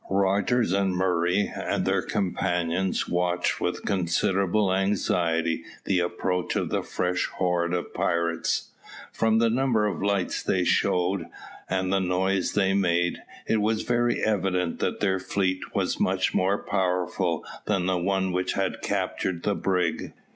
Rogers and Murray, and their companions, watched with considerable anxiety the approach of the fresh horde of pirates. From the number of lights they showed, and the noise they made, it was very evident that their fleet was much more powerful than the one which had captured the brig.